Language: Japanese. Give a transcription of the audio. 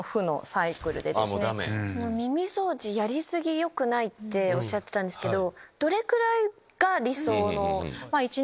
耳掃除やり過ぎよくないっておっしゃってたんですけど。